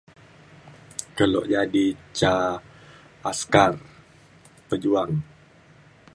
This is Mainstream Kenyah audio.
Kelo jadi ca askar pejuang.